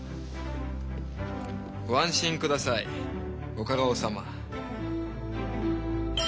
ご安心下さいご家老様。